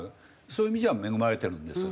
そういう意味じゃ恵まれてるんです。